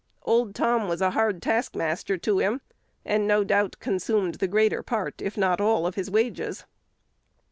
Old Tom was a hard taskmaster to him, and, no doubt, consumed the greater part, if not all, of his wages.